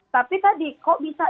tapi tadi kok bisa